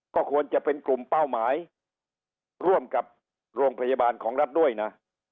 ก็ควรจะเป็นกลุ่มเป้าหมายร่วมกับโรงพยาบาลของรัฐด้วยนะ